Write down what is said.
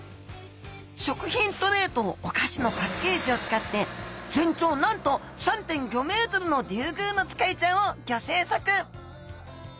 食品トレーとお菓子のパッケージを使って全長なんと３．５ｍのリュウグウノツカイちゃんをギョ制作！